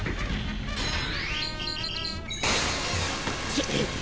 ちっ！